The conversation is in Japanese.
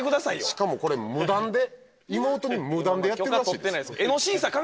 しかもこれ無断で妹に無断でやってるらしいですよ